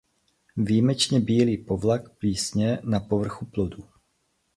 Výjimečně bílý povlak plísně na povrchu plodů.